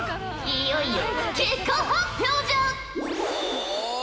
いよいよ結果発表じゃ！